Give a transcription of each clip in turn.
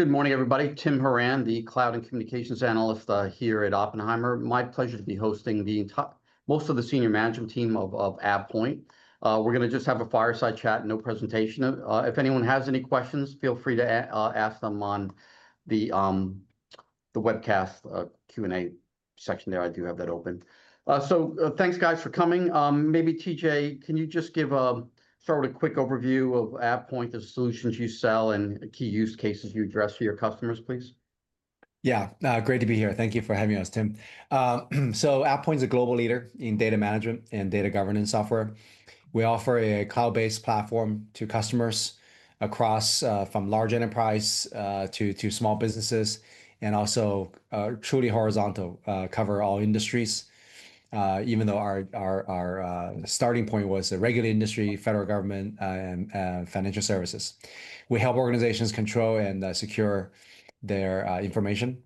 Good morning, everybody. Tim Horan, the Cloud and Communications Analyst here at Oppenheimer. My pleasure to be hosting most of the senior management team of AvePoint. We're going to just have a fireside chat and no presentation. If anyone has any questions, feel free to ask them on the webcast Q&A section there. I do have that open. Thanks, guys, for coming. Maybe TJ, can you just give a thorough quick overview of AvePoint, the solutions you sell, and key use cases you address for your customers, please? Yeah, great to be here. Thank you for having us, Tim. AvePoint is a global leader in data management and data governance software. We offer a cloud-based platform to customers across from large enterprise to small businesses and also truly horizontal, cover all industries. Even though our starting point was the regulated industry, federal government, and financial services, we help organizations control and secure their information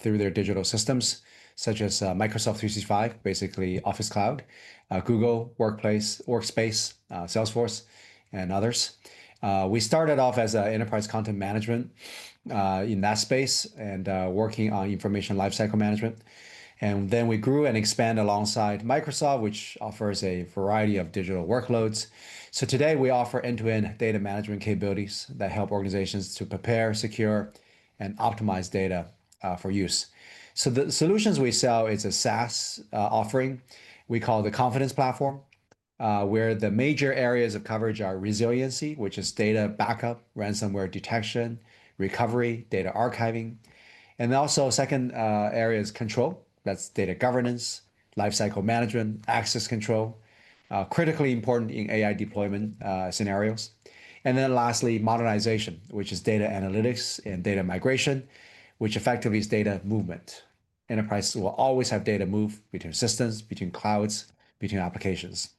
through their digital systems, such as Microsoft 365, basically Office Cloud, Google Workspace, Salesforce, and others. We started off as an enterprise content management in that space and working on information lifecycle management. We grew and expanded alongside Microsoft, which offers a variety of digital workloads. Today, we offer end-to-end data management capabilities that help organizations to prepare, secure, and optimize data for use. The solutions we sell are a SaaS offering we call the Confidence Platform, where the major areas of coverage are resiliency, which is data backup, ransomware detection, recovery, data archiving. A second area is control. That's data governance, lifecycle management, access control, critically important in AI deployment scenarios. Lastly, modernization, which is data analytics and data migration, which effectively is data movement. Enterprises will always have data move between systems, between clouds, between applications.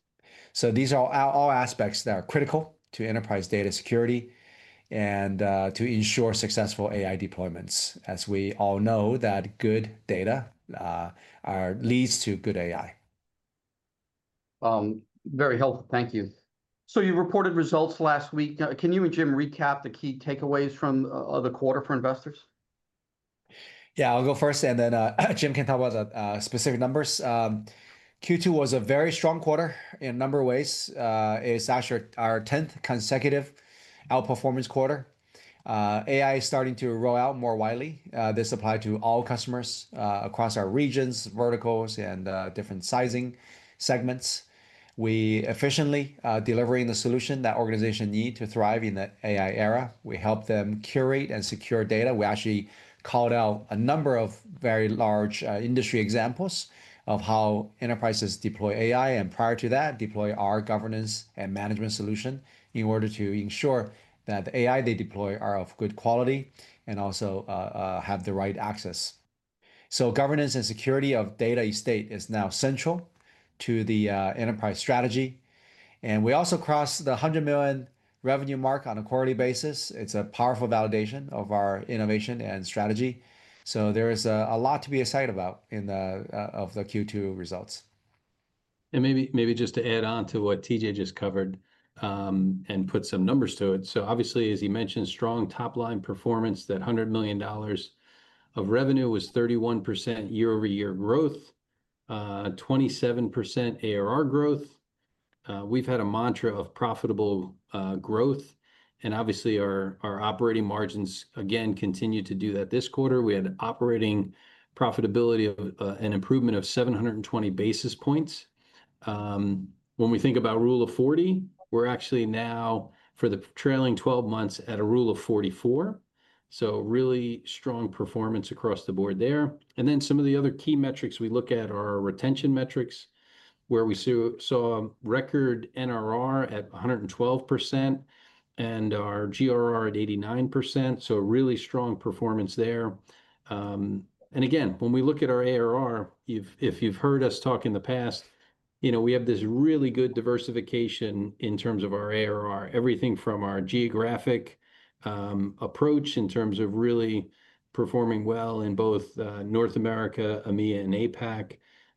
These are all aspects that are critical to enterprise data security and to ensure successful AI deployments, as we all know that good data leads to good AI. Very helpful. Thank you. You reported results last week. Can you and Jim recap the key takeaways from the quarter for investors? Yeah, I'll go first, and then Jim can talk about the specific numbers. Q2 was a very strong quarter in a number of ways. It's actually our 10th consecutive outperformance quarter. AI is starting to roll out more widely. This applies to all customers across our regions, verticals, and different sizing segments. We efficiently deliver the solution that organizations need to thrive in the AI era. We help them curate and secure data. We actually called out a number of very large industry examples of how enterprises deploy AI and, prior to that, deploy our governance and management solution in order to ensure that the AI they deploy is of good quality and also has the right access. Governance and security of data estate is now central to the enterprise strategy. We also crossed the $100 million revenue mark on a quarterly basis. It's a powerful validation of our innovation and strategy. There is a lot to be excited about in the Q2 results. Maybe just to add on to what TJ just covered and put some numbers to it. Obviously, as he mentioned, strong top-line performance, that $100 million of revenue was 31% year-over-year growth, 27% ARR growth. We've had a mantra of profitable growth. Obviously, our operating margins, again, continue to do that. This quarter, we had operating profitability and improvement of 720 basis points. When we think about Rule of 40, we're actually now, for the trailing 12 months, at a Rule of 44. Really strong performance across the board there. Some of the other key metrics we look at are retention metrics, where we saw a record NRR at 112% and our GRR at 89%. Really strong performance there. When we look at our ARR, if you've heard us talk in the past, you know we have this really good diversification in terms of our ARR, everything from our geographic approach in terms of really performing well in both North America, EMEA, and APAC.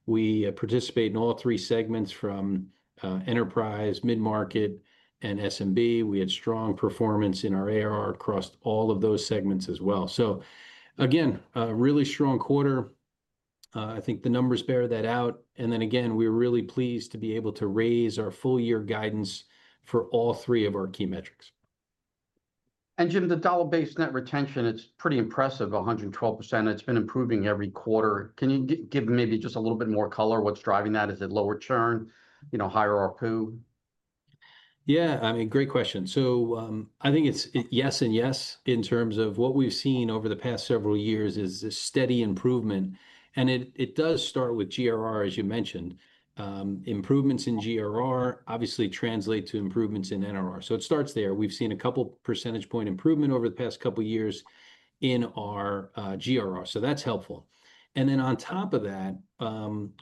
We participate in all three segments, from enterprise, mid-market, and SMB. We had strong performance in our ARR across all of those segments as well. A really strong quarter. I think the numbers bear that out. We're really pleased to be able to raise our full-year guidance for all three of our key metrics. Jim, the dollar-based net retention, it's pretty impressive, 112%. It's been improving every quarter. Can you give maybe just a little bit more color? What's driving that? Is it lower churn, higher ARPU? Yeah, I mean, great question. I think it's yes and yes in terms of what we've seen over the past several years is this steady improvement. It does start with GRR, as you mentioned. Improvements in GRR obviously translate to improvements in NRR. It starts there. We've seen a couple percentage point improvement over the past couple of years in our GRR. That's helpful. On top of that,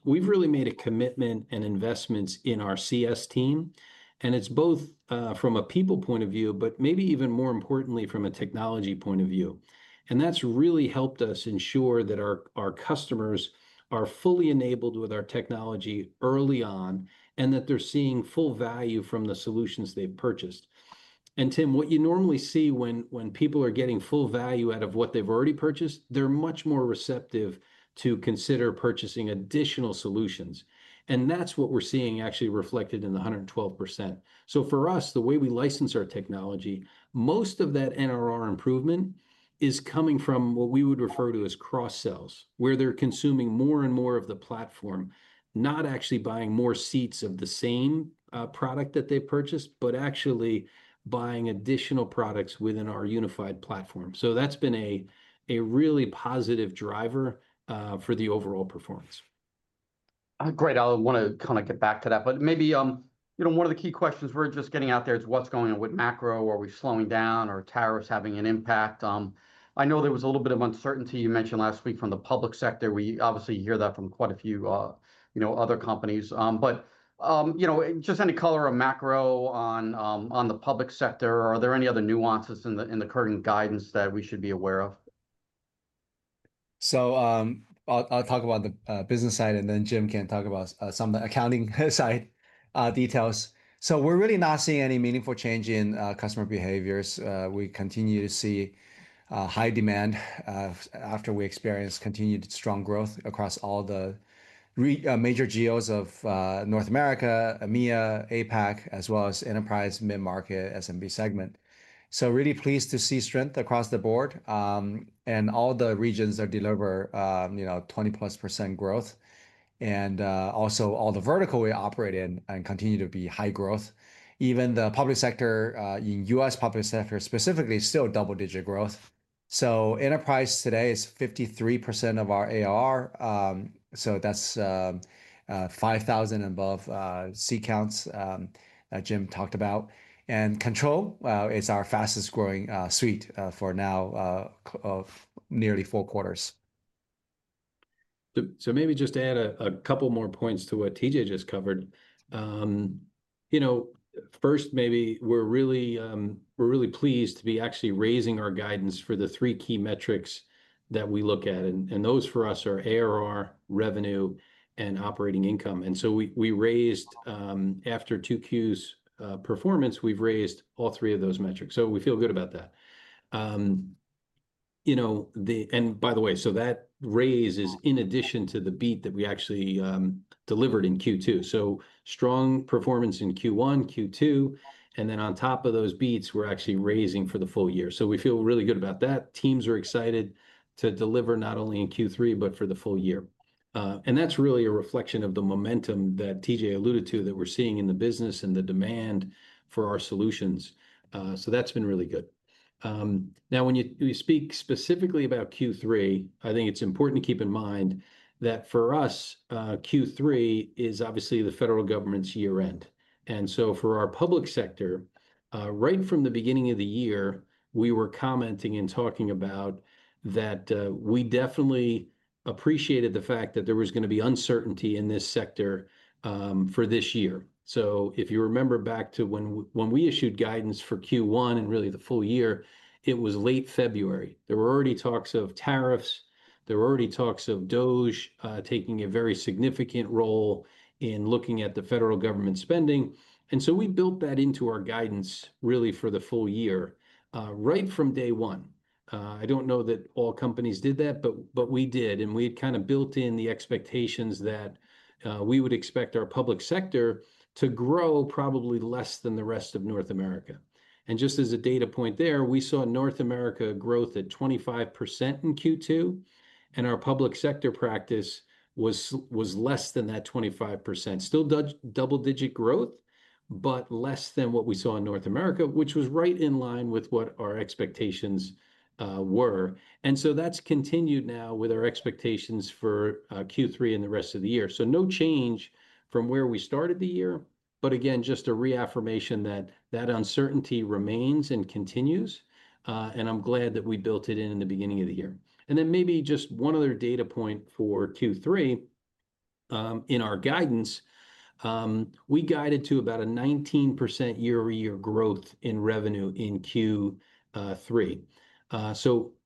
we've really made a commitment and investments in our CS team. It's both from a people point of view, but maybe even more importantly, from a technology point of view. That's really helped us ensure that our customers are fully enabled with our technology early on and that they're seeing full value from the solutions they've purchased. Tim, what you normally see when people are getting full value out of what they've already purchased, they're much more receptive to consider purchasing additional solutions. That's what we're seeing actually reflected in the 112%. For us, the way we license our technology, most of that NRR improvement is coming from what we would refer to as cross-sells, where they're consuming more and more of the platform, not actually buying more seats of the same product that they've purchased, but actually buying additional products within our unified platform. That's been a really positive driver for the overall performance. Great. I want to kind of get back to that. Maybe one of the key questions we're just getting out there is what's going on with macro. Are we slowing down? Are tariffs having an impact? I know there was a little bit of uncertainty you mentioned last week from the public sector. We obviously hear that from quite a few other companies. Just any color on macro on the public sector, are there any other nuances in the current guidance that we should be aware of? I'll talk about the business side, and then Jim can talk about some of the accounting side details. We're really not seeing any meaningful change in customer behaviors. We continue to see high demand after we experienced continued strong growth across all the major geos of North America, EMEA, APAC, as well as enterprise, mid-market, SMB segment. Really pleased to see strength across the board. All the regions have delivered 20%+ growth. Also, all the verticals we operate in continue to be high growth. Even the public sector in the U.S. public sector specifically is still double-digit growth. Enterprise today is 53% of our ARR. That's 5,000 and above seat counts Jim talked about. Control is our fastest growing suite for now of nearly four quarters. Maybe just add a couple more points to what TJ just covered. First, we're really pleased to be actually raising our guidance for the three key metrics that we look at. Those for us are ARR, revenue, and operating income. We raised after 2Q's performance, we've raised all three of those metrics. We feel good about that. By the way, that raise is in addition to the beat that we actually delivered in Q2. Strong performance in Q1, Q2, and on top of those beats, we're actually raising for the full year. We feel really good about that. Teams are excited to deliver not only in Q3, but for the full year. That's really a reflection of the momentum that TJ alluded to that we're seeing in the business and the demand for our solutions. That's been really good. When you speak specifically about Q3, I think it's important to keep in mind that for us, Q3 is obviously the federal government's year-end. For our public sector, right from the beginning of the year, we were commenting and talking about that we definitely appreciated the fact that there was going to be uncertainty in this sector for this year. If you remember back to when we issued guidance for Q1 and really the full year, it was late February. There were already talks of tariffs. There were already talks of DOGE taking a very significant role in looking at the federal government spending. We built that into our guidance really for the full year right from day one. I don't know that all companies did that, but we did. We had kind of built in the expectations that we would expect our public sector to grow probably less than the rest of North America. Just as a data point there, we saw North America growth at 25% in Q2, and our public sector practice was less than that 25%. Still double-digit growth, but less than what we saw in North America, which was right in line with what our expectations were. That's continued now with our expectations for Q3 and the rest of the year. No change from where we started the year, just a reaffirmation that that uncertainty remains and continues. I'm glad that we built it in in the beginning of the year. Maybe just one other data point for Q3. In our guidance, we guided to about a 19% year-over-year growth in revenue in Q3.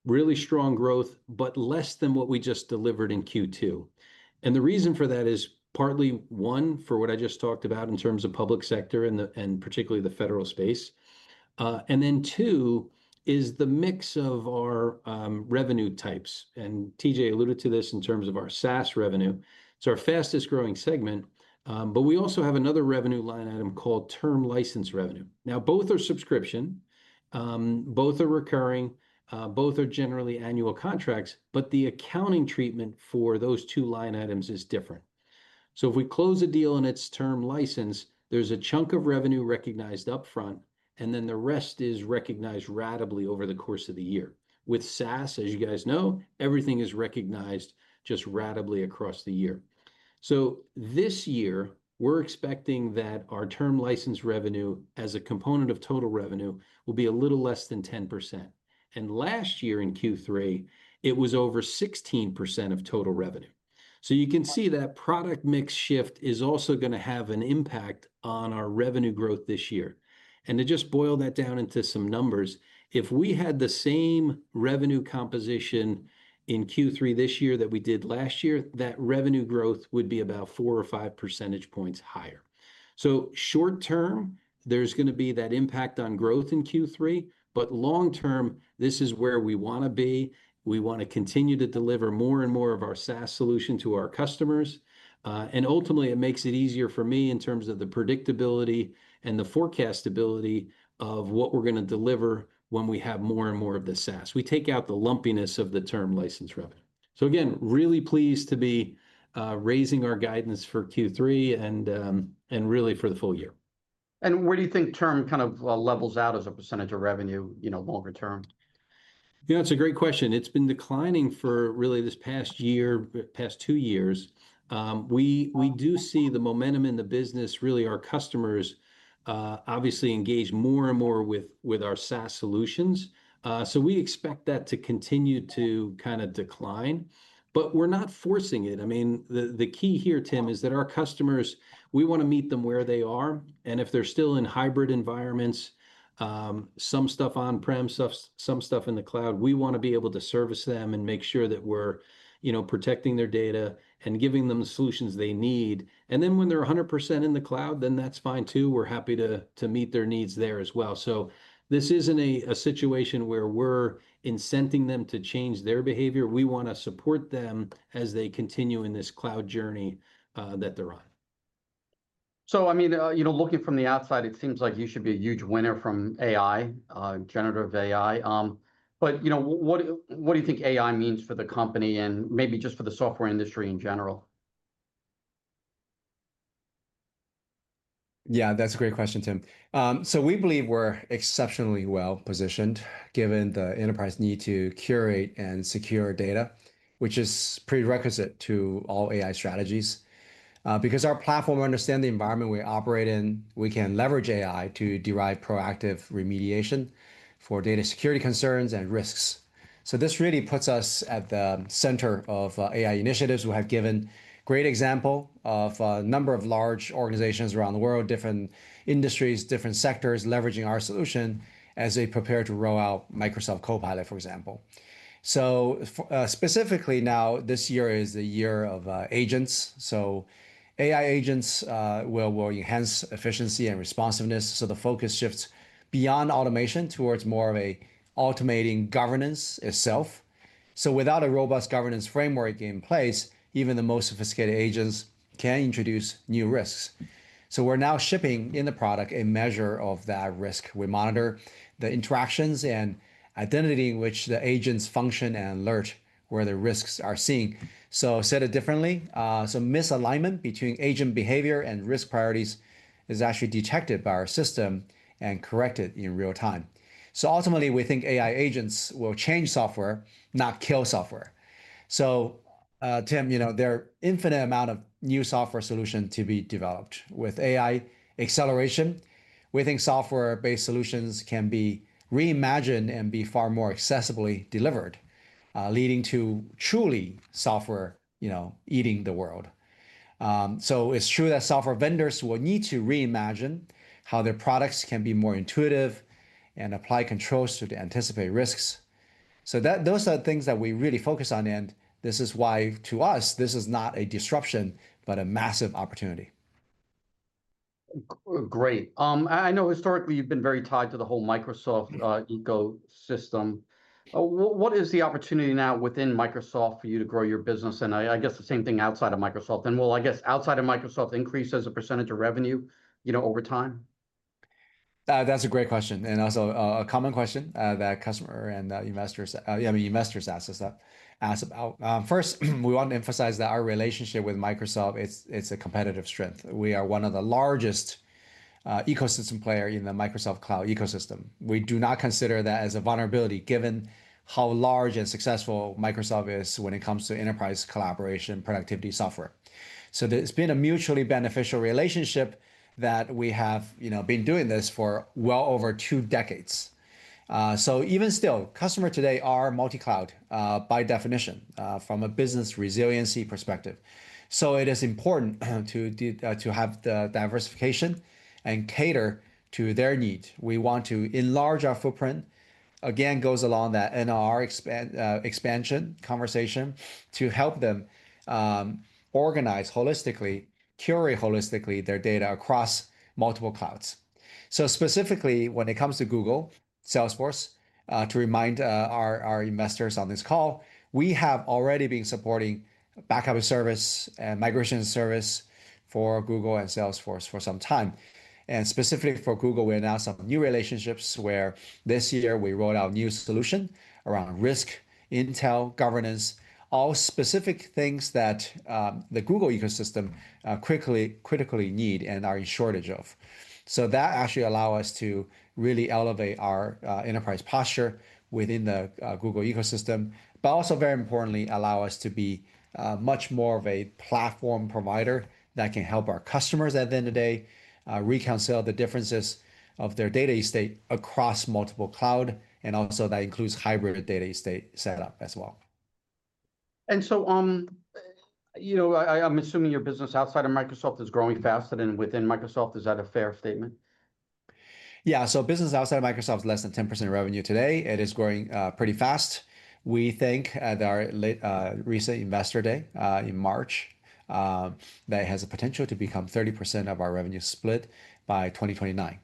Really strong growth, but less than what we just delivered in Q2. The reason for that is partly, one, for what I just talked about in terms of public sector and particularly the federal space. Two is the mix of our revenue types. TJ alluded to this in terms of our SaaS revenue. It's our fastest growing segment. We also have another revenue line item called term license revenue. Both are subscription. Both are recurring. Both are generally annual contracts. The accounting treatment for those two line items is different. If we close a deal and it's term license, there's a chunk of revenue recognized upfront, and then the rest is recognized ratably over the course of the year. With SaaS, as you guys know, everything is recognized just ratably across the year. This year, we're expecting that our term license revenue, as a component of total revenue, will be a little less than 10%. Last year in Q3, it was over 16% of total revenue. You can see that product mix shift is also going to have an impact on our revenue growth this year. To just boil that down into some numbers, if we had the same revenue composition in Q3 this year that we did last year, that revenue growth would be about 4% or 5% percentage points higher. Short term, there's going to be that impact on growth in Q3. Long term, this is where we want to be. We want to continue to deliver more and more of our SaaS solution to our customers. Ultimately, it makes it easier for me in terms of the predictability and the forecastability of what we're going to deliver when we have more and more of the SaaS. We take out the lumpiness of the term license revenue. Again, really pleased to be raising our guidance for Q3 and really for the full year. Where do you think term kind of levels out as a percentage of revenue longer term? Yeah, it's a great question. It's been declining for really this past year, past two years. We do see the momentum in the business. Really, our customers obviously engage more and more with our SaaS solutions. We expect that to continue to kind of decline. We're not forcing it. The key here, Tim, is that our customers, we want to meet them where they are. If they're still in hybrid environments, some stuff on-prem, some stuff in the cloud, we want to be able to service them and make sure that we're protecting their data and giving them the solutions they need. When they're 100% in the cloud, then that's fine too. We're happy to meet their needs there as well. This isn't a situation where we're incenting them to change their behavior. We want to support them as they continue in this cloud journey that they're on. I mean, looking from the outside, it seems like you should be a huge winner from AI, generative AI. What do you think AI means for the company and maybe just for the software industry in general? Yeah, that's a great question, Tim. We believe we're exceptionally well positioned given the enterprise need to curate and secure data, which is prerequisite to all AI strategies. Because our platform understands the environment we operate in, we can leverage AI to derive proactive remediation for data security concerns and risks. This really puts us at the center of AI initiatives. We have given a great example of a number of large organizations around the world, different industries, different sectors leveraging our solution as they prepare to roll out Microsoft Copilot, for example. Specifically now, this year is the year of agents. AI agents will enhance efficiency and responsiveness. The focus shifts beyond automation towards more of an automating governance itself. Without a robust governance framework in place, even the most sophisticated agents can introduce new risks. We're now shipping in the product a measure of that risk. We monitor the interactions and identity in which the agents function and alert where the risks are seen. Said it differently, misalignment between agent behavior and risk priorities is actually detected by our system and corrected in real time. Ultimately, we think AI agents will change software, not kill software. Tim, you know there are infinite amounts of new software solutions to be developed. With AI acceleration, we think software-based solutions can be reimagined and be far more accessibly delivered, leading to truly software eating the world. It's true that software vendors will need to reimagine how their products can be more intuitive and apply controls to the anticipated risks. Those are the things that we really focus on. This is why, to us, this is not a disruption, but a massive opportunity. Great. I know historically you've been very tied to the whole Microsoft ecosystem. What is the opportunity now within Microsoft for you to grow your business? I guess the same thing outside of Microsoft. Will outside of Microsoft increase as a percentage of revenue over time? That's a great question and also a common question that customers and investors ask us about. First, we want to emphasize that our relationship with Microsoft is a competitive strength. We are one of the largest ecosystem players in the Microsoft Cloud ecosystem. We do not consider that as a vulnerability given how large and successful Microsoft is when it comes to enterprise collaboration and productivity software. There's been a mutually beneficial relationship that we have been doing this for well over two decades. Even still, customers today are multi-cloud by definition from a business resiliency perspective. It is important to have the diversification and cater to their needs. We want to enlarge our footprint. Again, it goes along that NRR expansion conversation to help them organize holistically, curate holistically their data across multiple clouds. Specifically, when it comes to Google, Salesforce, to remind our investors on this call, we have already been supporting backup service and migration service for Google and Salesforce for some time. Specifically for Google, we announced some new relationships where this year we rolled out new solutions around risk, intel, governance, all specific things that the Google ecosystem critically needs and is in shortage of. That actually allows us to really elevate our enterprise posture within the Google ecosystem. Also, very importantly, it allows us to be much more of a platform provider that can help our customers at the end of the day reconcile the differences of their data estate across multiple clouds. That also includes hybrid data estate setup as well. I'm assuming your business outside of Microsoft is growing faster than within Microsoft. Is that a fair statement? Business outside of Microsoft is less than 10% revenue today. It is growing pretty fast. We think that our recent investor day in March has the potential to become 30% of our revenue split by 2029.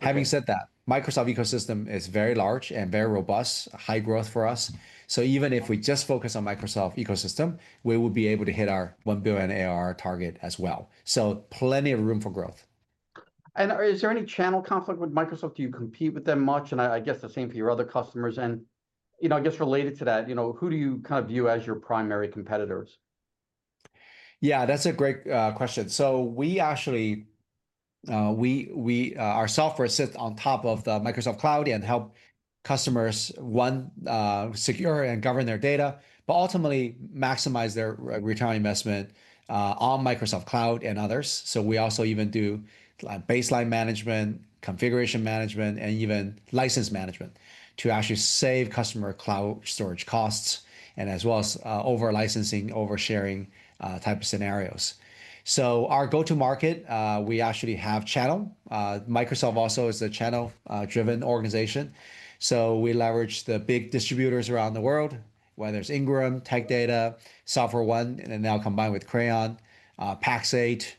Having said that, the Microsoft ecosystem is very large and very robust, high growth for us. Even if we just focus on the Microsoft ecosystem, we will be able to hit our $1 billion ARR target as well. Plenty of room for growth. Is there any channel conflict with Microsoft? Do you compete with them much? I guess the same for your other customers. I guess related to that, who do you kind of view as your primary competitors? Yeah, that's a great question. We actually, our software sits on top of the Microsoft Cloud and helps customers, one, secure and govern their data, but ultimately maximize their return on investment on Microsoft Cloud and others. We also even do baseline management, configuration management, and even license management to actually save customer cloud storage costs, as well as over-licensing, oversharing type of scenarios. Our go-to-market, we actually have a channel. Microsoft also is a channel-driven organization. We leverage the big distributors around the world, whether it's Ingram, Tech Data, SoftwareOne, and now combined with Crayons, Pax8,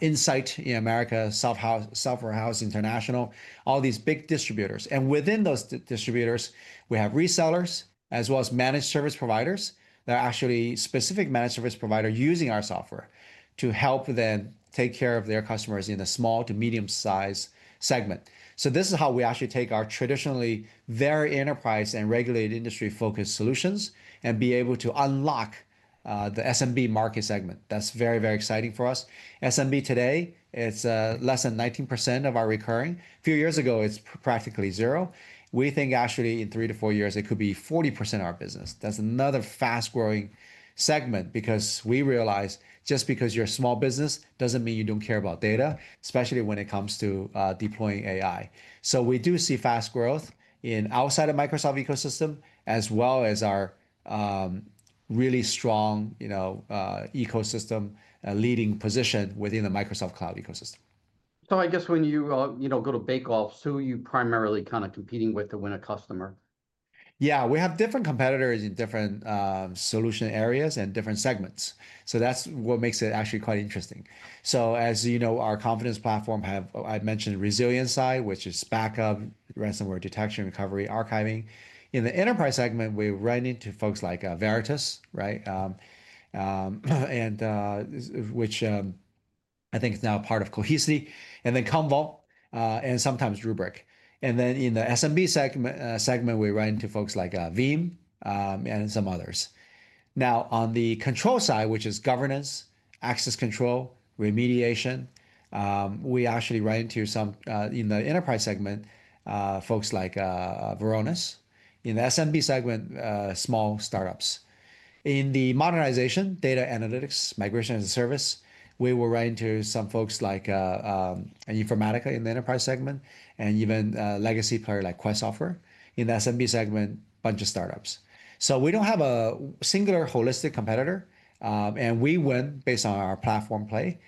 Insight in America, Software House International, all these big distributors. Within those distributors, we have resellers as well as managed service providers that are actually specific managed service providers using our software to help them take care of their customers in the small to medium-sized segment. This is how we actually take our traditionally very enterprise and regulated industry-focused solutions and be able to unlock the SMB market segment. That's very, very exciting for us. SMB today, it's less than 19% of our recurring. A few years ago, it was practically zero. We think actually in three to four years, it could be 40% of our business. That's another fast-growing segment because we realize just because you're a small business doesn't mean you don't care about data, especially when it comes to deploying AI. We do see fast growth outside of the Microsoft ecosystem, as well as our really strong ecosystem leading position within the Microsoft Cloud ecosystem. When you go to bake-offs, who are you primarily kind of competing with to win a customer? Yeah, we have different competitors in different solution areas and different segments. That's what makes it actually quite interesting. As you know, our Confidence Platform, I mentioned the resilience side, which is backup, ransomware detection, recovery, archiving. In the enterprise segment, we run into folks like Veritas, which I think is now part of Cohesity, and then Commvault, and sometimes Rubrik. In the SMB segment, we run into folks like Veeam and some others. Now, on the control side, which is governance, access control, remediation, we actually run into some in the enterprise segment, folks like Varonis. In the SMB segment, small startups. In the modernization, data analytics, migration as a service, we will run into some folks like Informatica in the enterprise segment, and even a legacy player like Quest Software. In the SMB segment, a bunch of startups. We don't have a singular holistic competitor. We win based on our platform play.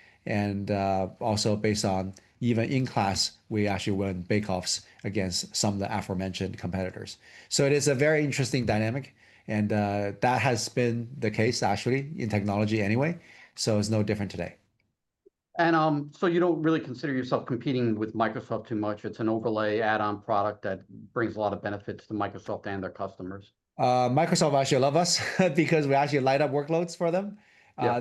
Also, based on even in-class, we actually win bake-offs against some of the aforementioned competitors. It is a very interesting dynamic. That has been the case, actually, in technology anyway. It's no different today. You don't really consider yourself competing with Microsoft too much. It's an overlay add-on product that brings a lot of benefit to Microsoft and their customers. Microsoft actually loves us because we actually light up workloads for them.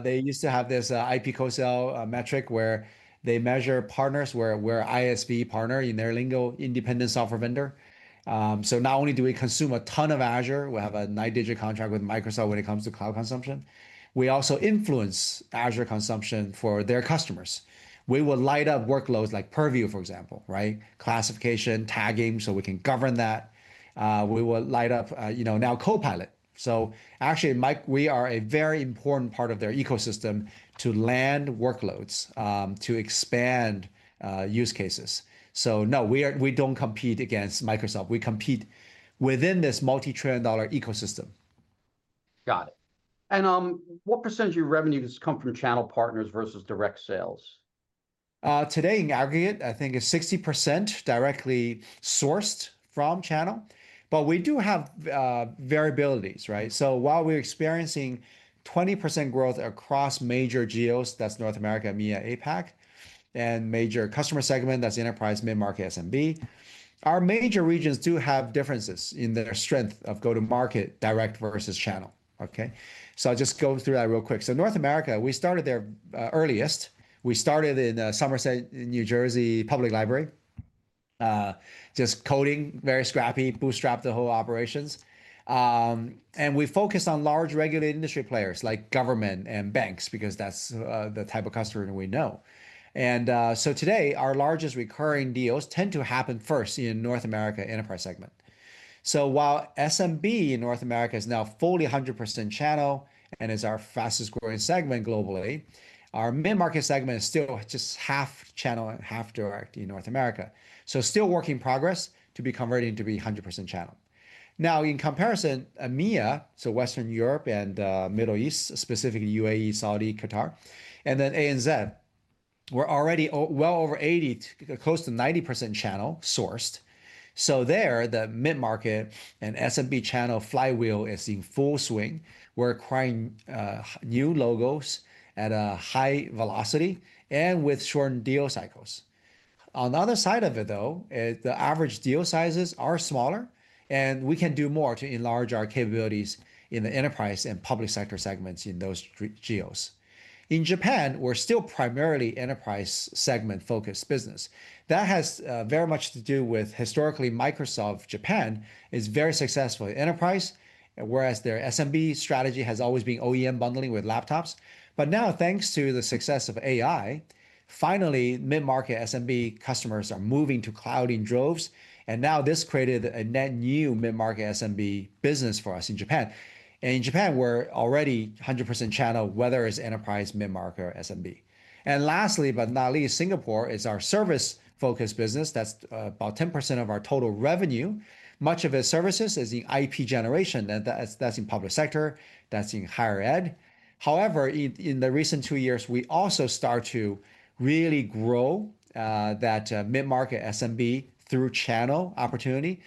They used to have this IP co-sell metric where they measure partners where we're ISV partner in their lingo, independent software vendor. Not only do we consume a ton of Azure, we have a nine-digit contract with Microsoft when it comes to cloud consumption. We also influence Azure consumption for their customers. We will light up workloads like Purview, for example, right? Classification, tagging, so we can govern that. We will light up now Copilot. We are a very important part of their ecosystem to land workloads, to expand use cases. We don't compete against Microsoft. We compete within this multi-trillion-dollar ecosystem. Got it. What percentage of your revenues come from channel partners versus direct sales? Today, in aggregate, I think it's 60% directly sourced from channel. We do have variabilities, right? While we're experiencing 20% growth across major geos, that's North America, EMEA, APAC, and major customer segment, that's enterprise, mid-market, SMB, our major regions do have differences in their strength of go-to-market direct versus channel. I'll just go through that real quick. North America, we started there earliest. We started in Somerset, New Jersey Public Library, just coding, very scrappy, bootstrapped the whole operations. We focus on large regulated industry players like government and banks because that's the type of customer we know. Today, our largest recurring deals tend to happen first in the North America enterprise segment. While SMB in North America is now fully 100% channel and is our fastest growing segment globally, our mid-market segment is still just half channel and half direct in North America. Still a work in progress to be converting to be 100% channel. In comparison, EMEA, so Western Europe and the Middle East, specifically UAE, Saudi, Qatar, and then ANZ, we're already well over 80%, close to 90% channel sourced. There, the mid-market and SMB channel flywheel is in full swing. We're acquiring new logos at a high velocity and with shortened deal cycles. On the other side of it, the average deal sizes are smaller. We can do more to enlarge our capabilities in the enterprise and public sector segments in those geos. In Japan, we're still primarily an enterprise segment-focused business. That has very much to do with historically Microsoft Japan is very successful in enterprise, whereas their SMB strategy has always been OEM bundling with laptops. Now, thanks to the success of AI, finally, mid-market SMB customers are moving to cloud in droves. This created a net new mid-market SMB business for us in Japan. In Japan, we're already 100% channel, whether it's enterprise, mid-market, or SMB. Lastly, but not least, Singapore is our service-focused business. That's about 10% of our total revenue. Much of its services is in IP generation. That's in the public sector. That's in higher ed. In the recent two years, we also started to really grow that mid-market SMB through channel opportunity.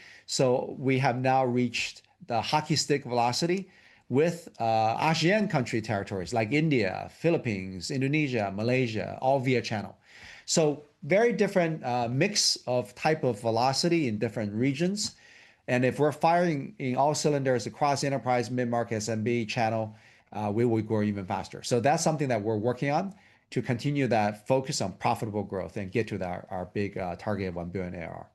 We have now reached the hockey stick velocity with ASEAN country territories like India, Philippines, Indonesia, Malaysia, all via channel. A very different mix of types of velocity in different regions. If we're firing in all cylinders across enterprise, mid-market, SMB, channel, we will grow even faster. That's something that we're working on to continue that focus on profitable growth and get to our big target of $1 billion ARR.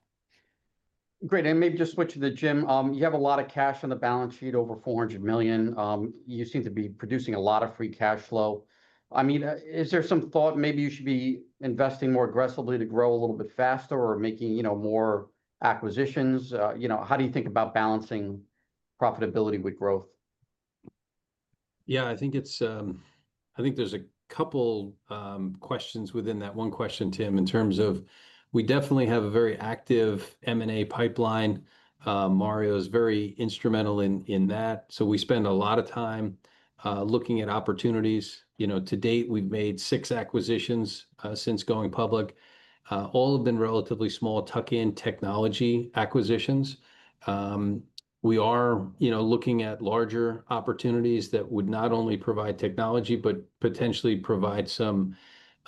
Great. Maybe just switching to Jim, you have a lot of cash on the balance sheet, over $400 million. You seem to be producing a lot of free cash flow. Is there some thought maybe you should be investing more aggressively to grow a little bit faster or making more acquisitions? How do you think about balancing profitability with growth? Yeah, I think there's a couple of questions within that one question, Tim, in terms of we definitely have a very active M&A pipeline. Mario is very instrumental in that. We spend a lot of time looking at opportunities. To date, we've made six acquisitions since going public. All have been relatively small tuck-in technology acquisitions. We are looking at larger opportunities that would not only provide technology, but potentially provide some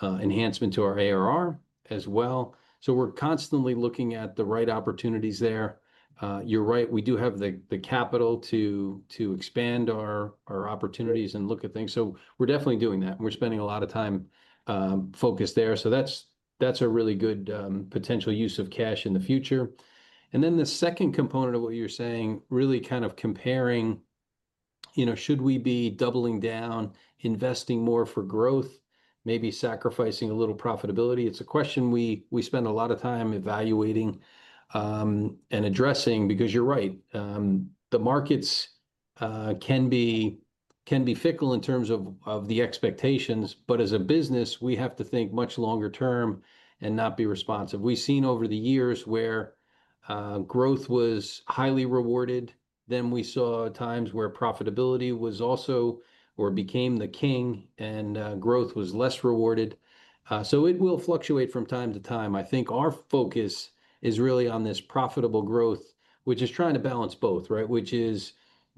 enhancement to our ARR as well. We're constantly looking at the right opportunities there. You're right. We do have the capital to expand our opportunities and look at things. We're definitely doing that, and we're spending a lot of time focused there. That's a really good potential use of cash in the future. The second component of what you're saying, really kind of comparing, should we be doubling down, investing more for growth, maybe sacrificing a little profitability? It's a question we spend a lot of time evaluating and addressing because you're right. The markets can be fickle in terms of the expectations. As a business, we have to think much longer term and not be responsive. We've seen over the years where growth was highly rewarded. Then we saw times where profitability was also or became the king, and growth was less rewarded. It will fluctuate from time to time. I think our focus is really on this profitable growth, which is trying to balance both,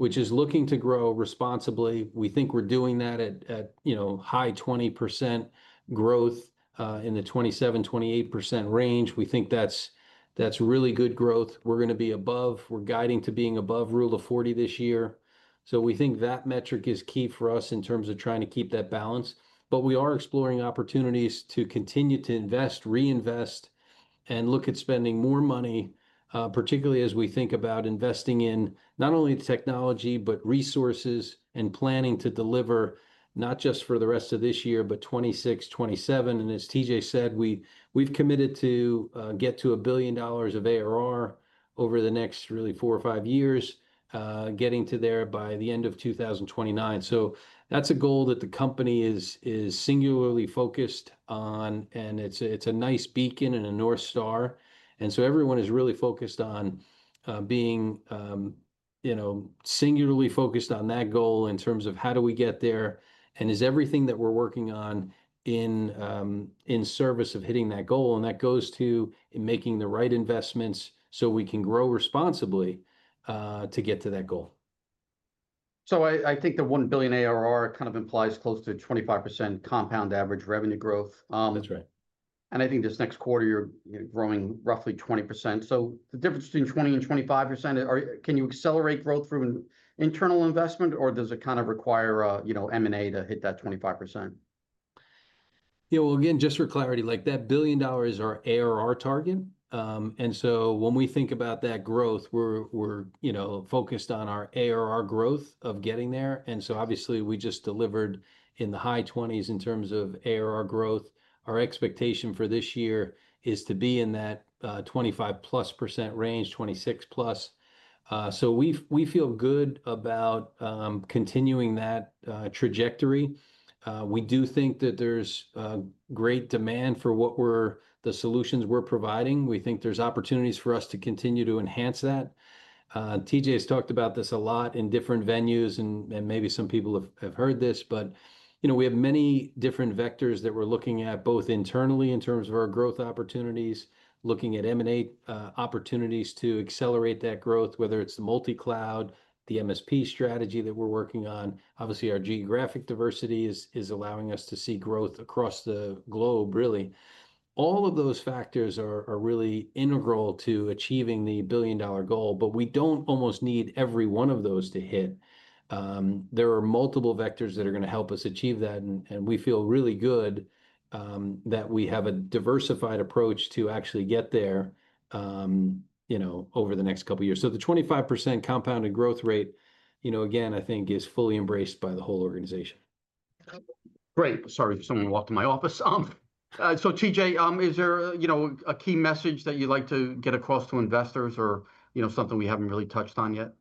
which is looking to grow responsibly. We think we're doing that at high 20% growth in the 27%, 28% range. We think that's really good growth. We're going to be above. We're guiding to being above Rule of 40 this year. We think that metric is key for us in terms of trying to keep that balance. We are exploring opportunities to continue to invest, reinvest, and look at spending more money, particularly as we think about investing in not only the technology, but resources and planning to deliver not just for the rest of this year, but 2026, 2027. As TJ said, we've committed to get to $1 billion of ARR over the next really four or five years, getting to there by the end of 2029. That's a goal that the company is singularly focused on. It's a nice beacon and a North Star. Everyone is really focused on being singularly focused on that goal in terms of how do we get there and is everything that we're working on in service of hitting that goal. That goes to making the right investments so we can grow responsibly to get to that goal. I think the $1 billion ARR kind of implies close to 25% compound annual growth rate. That's right. I think this next quarter, you're growing roughly 20%. The difference between 20% and 25%, can you accelerate growth through internal investment, or does it kind of require M&A to hit that 25%? Yeah, just for clarity, that $1 billion is our ARR target. When we think about that growth, we're focused on our ARR growth of getting there. Obviously, we just delivered in the high 20s in terms of ARR growth. Our expectation for this year is to be in that 25%+ range, 26%+. We feel good about continuing that trajectory. We do think that there's great demand for what the solutions we're providing. We think there's opportunities for us to continue to enhance that. TJ has talked about this a lot in different venues, and maybe some people have heard this. We have many different vectors that we're looking at both internally in terms of our growth opportunities, looking at M&A opportunities to accelerate that growth, whether it's the multi-cloud, the MSP strategy that we're working on. Obviously, our geographic diversity is allowing us to see growth across the globe, really. All of those factors are really integral to achieving the $1 billion goal. We don't almost need every one of those to hit. There are multiple vectors that are going to help us achieve that. We feel really good that we have a diversified approach to actually get there over the next couple of years. The 25% compounded growth rate, again, I think is fully embraced by the whole organization. Great. Sorry, someone walked in my office. TJ, is there a key message that you'd like to get across to investors or something we haven't really touched on yet?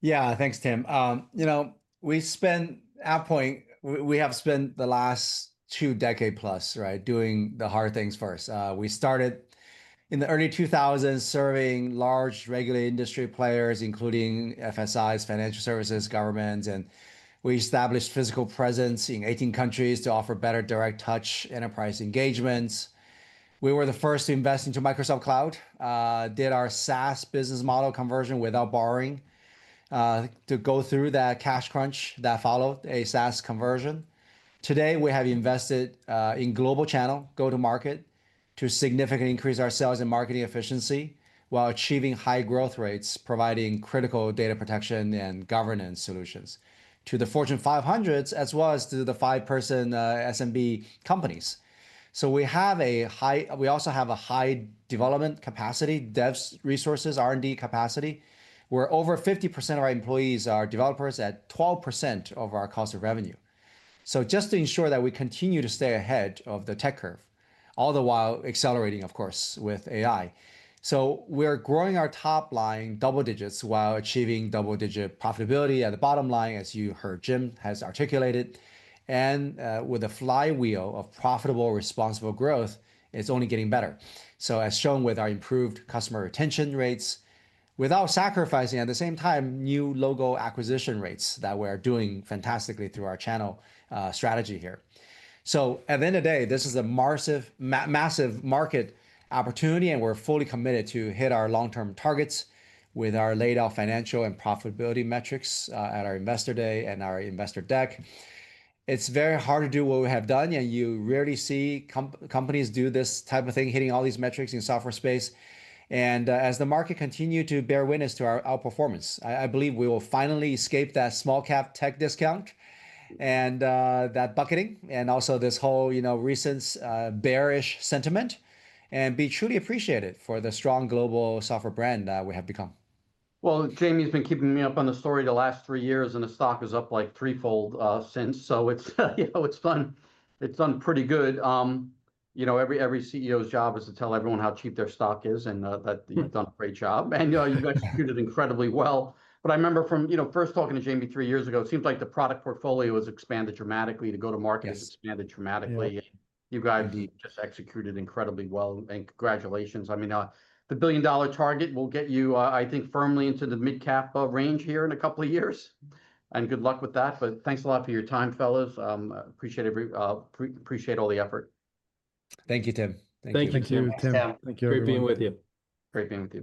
Yeah, thanks, Tim. At AvePoint, we have spent the last two decades plus doing the hard things first. We started in the early 2000s, serving large regulated industry players, including FSIs, financial services, governments. We established a physical presence in 18 countries to offer better direct touch enterprise engagements. We were the first to invest into Microsoft Cloud, did our SaaS business model conversion without borrowing to go through that cash crunch that followed a SaaS conversion. Today, we have invested in global channel, go-to-market to significantly increase our sales and marketing efficiency while achieving high growth rates, providing critical data protection and governance solutions to the Fortune 500s, as well as to the five-person SMB companies. We also have a high development capacity, dev resources, R&D capacity, where over 50% of our employees are developers at 12% of our cost of revenue. Just to ensure that we continue to stay ahead of the tech curve, all the while accelerating, of course, with AI. We're growing our top line double digits while achieving double-digit profitability at the bottom line, as you heard Jim has articulated. With the flywheel of profitable, responsible growth, it's only getting better. As shown with our improved customer retention rates, without sacrificing, at the same time, new logo acquisition rates that we are doing fantastically through our channel strategy here. At the end of the day, this is a massive market opportunity. We're fully committed to hitting our long-term targets with our laid-off financial and profitability metrics at our investor day and our investor deck. It's very hard to do what we have done. You rarely see companies do this type of thing, hitting all these metrics in software space. As the market continues to bear witness to our outperformance, I believe we will finally escape that small-cap tech discount and that bucketing and also this whole recent bearish sentiment and be truly appreciated for the strong global software brand that we have become. Jamie's been keeping me up on the story the last three years, and the stock is up like threefold since. It's done pretty good. Every CEO's job is to tell everyone how cheap their stock is, and you've done a great job. You've executed incredibly well. I remember from first talking to Jamie three years ago, it seemed like the product portfolio has expanded dramatically. The go-to-market has expanded dramatically, and you guys have executed incredibly well. Congratulations. The $1 billion target will get you, I think, firmly into the mid-cap range here in a couple of years. Good luck with that. Thanks a lot for your time, fellas. Appreciate all the effort. Thank you, Tim. Thank you, Tim. Great being with you. Thank you, everyone. Great being with you. Great being with you.